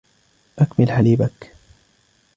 أكمل حليبك.